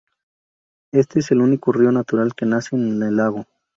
Este es el único río natural que nace en el lago.